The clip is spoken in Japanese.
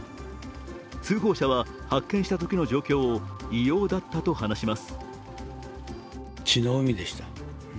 通報者は、発見したときの状況を異様だったと話します。